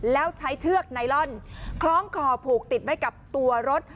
แล้วใช้เชือกไนลอนคล้องคอผูกติดไว้กับตัวรถ